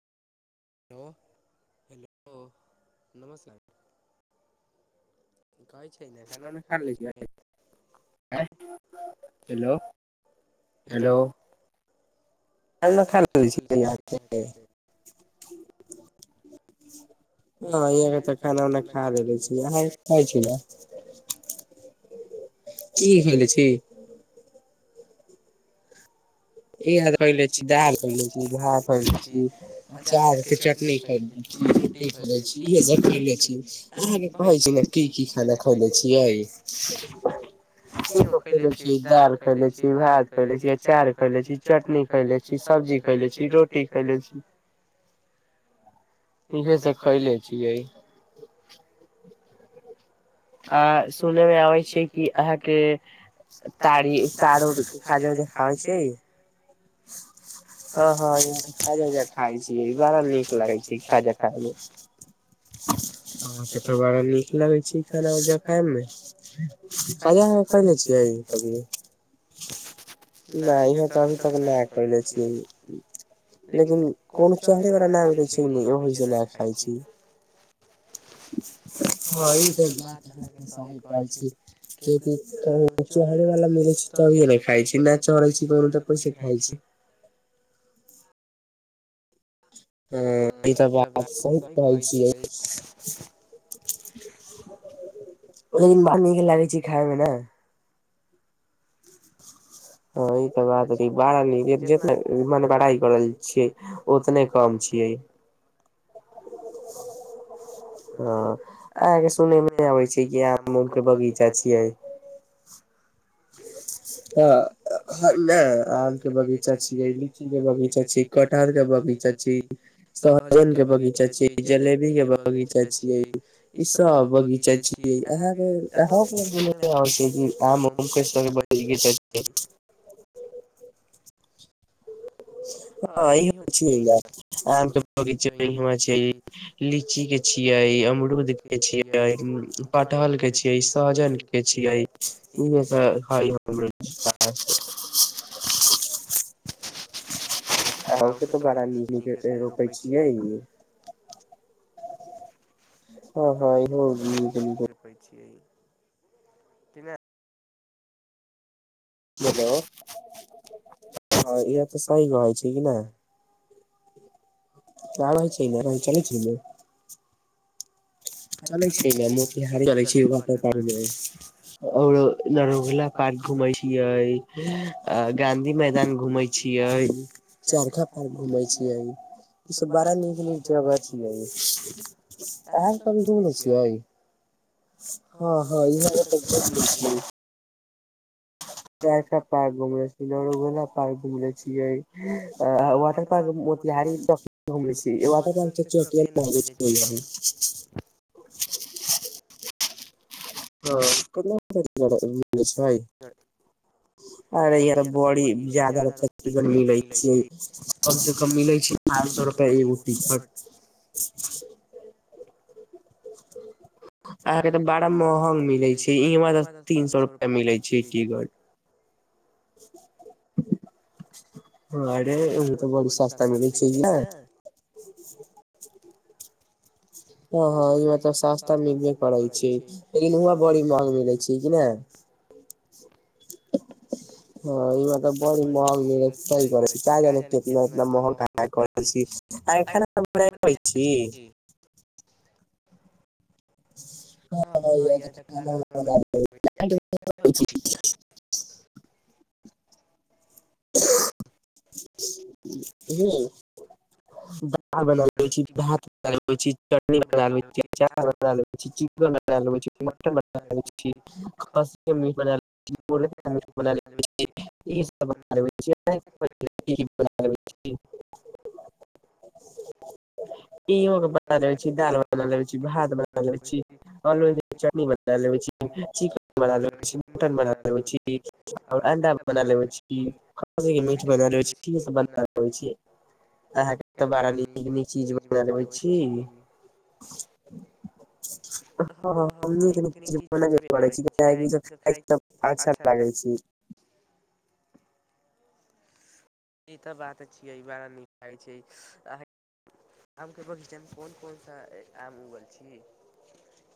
Hello hello नमस्ते कहै छै ने खान ने खा ले छै हेलो हेलो न ख लै छै नै आय तऽ खाना उना खा रहलै छी अहाँ ख़ाइ छी ने की खैले छी? [unintelligible] रोटी खेले छी इहे सब खले छी अहाँ के कहे छी ने की की खाना खैले छीयै। क खले छी दाल खैले छी भात खैले छी अचार खैले छी। चटनी खैले छी सब्जी खैले छी रोटी खैले छी इहे से खैले छियै आ सुनय मे अबै छै कि अहाँके तारी तारो खावे छै [unintelligible] हँ हँ यहाँ खाजा उजा खाय छीय ई बड़ा नीक लागै छै खाजा खायमे हँ पट बधा निक लागय छी खाना खाय ख़ाजा खैले छियै कभी लै ह तभी त नहि कहिले छी लेकिन कोनो चढ़ेवला नाम रहै छै नहि ओहिसँ लए खाइ छै ह हँ ई त कह चरी तभिये ने खाइ छी नै चढ़ै छी कोनो तऽ कैसे खाइ छी ह ह ई तऽ बात सही कहै छियै लेकिन बड़ नीक लागै छैय खाायमे ने। ह ई त बात बड़ा जितना मने बड़ाई करल छियै उतने कम छैय। छियै [inaudible] हँ अहाँके सुनय मे नहि आबै छैय कि आम उम के बगीचा छियै। [inaudible] ह ने आम के बगीचा छीयै लीची के बगीचा छीयै कटहर के बगीचा छी सहजन के बगीचा छी जलेबी के इ बगीचा सब बगीचा छी [unintelligible] [unintelligible] [unintelligible] के छियै अमरूद के छियै पटहल के छियै सहजन के छियै। [unintelligible] [inaudible] अहू के तऽ बड़ा नीक नीक पेड़ रोपै छियै। ह हँ इहो नीक नीक रोपै छीयै। बोलो हँ इह तऽ सही कहय छी की न [unintelligible] चलय छैय नू? चलै छैय [unintelligible] आओर नरोगला पार्क घूमय छियै गाधी मैदान घूमय छियै। चारखा पार घूमै छियै। ई सब बड़ा नीक नीक जगह छैय। छियै ह ह ई [unintelligible] टा पार्क घुमल छी नरा पार्क घुमले छियै वाटर पार्क [unintelligible] [inaudible] [unintelligible] अरे यर बड़ी ज्यादा [unintelligible] [unintelligible] अहां के तऽ बारा महंग मिलै छै इर त तीन सए रुप मिले छै टीग [inaudible] हँ अरे ओ तऽ बड़ी सस्ता मिलै छै हँ हँ ई मतलब सस्ता मिलबे करै छियै लेकिन वाँहां बड़ी महग मिलै छैय कि नहि? [inaudible] [inaudible] हँ ई मतलब बड़ी महग मिल सी छी का जाने कितना इतना महौल ख करै छी। [unintelligible] [unintelligible] ह दाल बना ले छी भात बना ल छी चटनी बना ल छीच बना ल छी। [unintelligible] ई [unintelligible] ई हो [unintelligible] े छी दाल बना लेवे छी भात बना ले छी परौर के चटनी बना ले छी [unintelligible] [unintelligible] ह तऽ बड़ न न चीज बन बी हँ हममी जी ज खााय छी त अच्छा लागै छी ई तऽ बात छियै ई बड़ा नीक लागै छै अहाँके आमके बगीचामे कोन कोन सा आम उगल छी